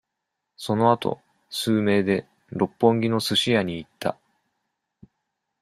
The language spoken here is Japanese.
そのあと、数名で、六本木のスシ屋に行った。